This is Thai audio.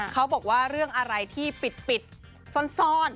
เขาบอกว่าเรื่องอะไรที่ปิดซ่อน